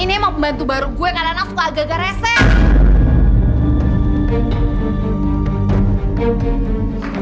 ini emang pembantu baru gue karena nafsu agak agak resep